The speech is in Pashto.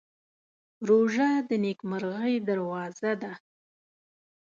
روژه د نېکمرغۍ دروازه ده.